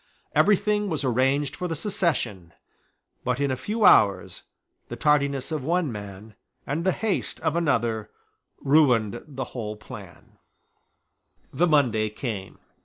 Every thing was arranged for the secession; but, in a few hours, the tardiness of one man and the haste of another ruined the whole plan. The Monday came.